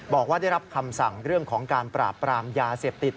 บอกว่าได้รับคำสั่งเรื่องของการปราบปรามยาเสพติด